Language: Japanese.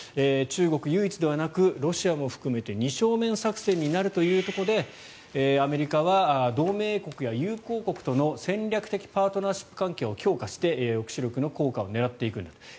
中国、唯一ではなくロシアも含めて二正面作戦になるということでアメリカは同盟国や友好国との戦略的パートナーシップ関係を強化して抑止力の効果を狙っていくんだと。